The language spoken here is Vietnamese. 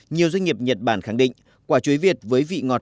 nhiều doanh nghiệp nhật bản khẳng định quả chuối việt với vị ngọt